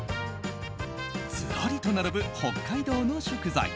ずらりと並ぶ北海道の食材。